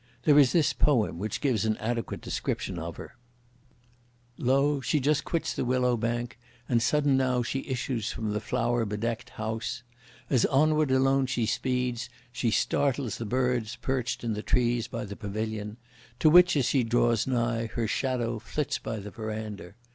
There is this poem, which gives an adequate description of her: Lo she just quits the willow bank; and sudden now she issues from the flower bedecked house; As onward alone she speeds, she startles the birds perched in the trees, by the pavilion; to which as she draws nigh, her shadow flits by the verandah!